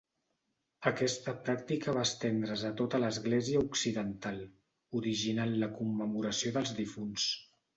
Aquesta pràctica va estendre's a tota l'església occidental, originant la commemoració dels difunts.